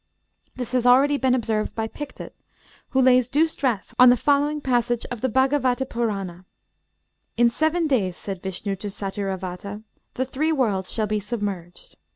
This has already been observed by Pictet, who lays due stress on the following passage of the Bhâgavata Purâna: 'In seven days,' said Vishnu to Satyravata, 'the three worlds shall be submerged.'